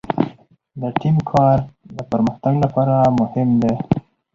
د ټیم کار د پرمختګ لپاره مهم دی.